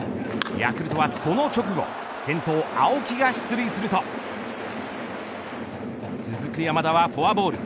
ヤクルトはその直後先頭、青木が出塁すると続く山田はフォアボール。